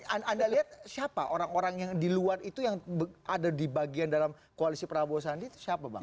anda lihat siapa orang orang yang di luar itu yang ada di bagian dalam koalisi prabowo sandi itu siapa bang